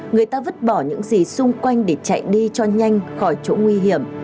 người ta vứt bỏ những gì xung quanh để chạy đi cho nhanh khỏi chỗ nguy hiểm